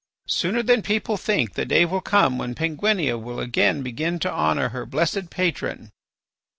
Sooner than people think the day will come when Penguinia will again begin to honour her blessed patron.